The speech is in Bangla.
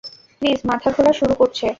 প্লিজ - মাথা ঘোরা শুরু করছে?